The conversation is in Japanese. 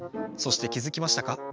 そしてきづきましたか？